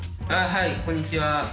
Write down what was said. はいこんにちは。